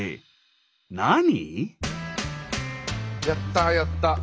やったやった。